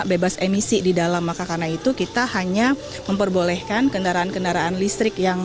bebas emisi di dalam maka karena itu kita hanya memperbolehkan kendaraan kendaraan listrik yang